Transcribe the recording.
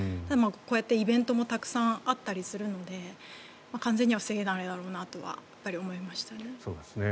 こうやってイベントもたくさんあったりするので完全には防げないだろうなとは思いましたね。